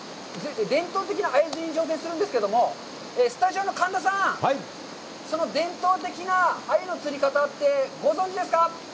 伝統的なアユ釣りに挑戦するんですけれども、スタジオの神田さん、その伝統的なアユの釣り方ってご存じですか！？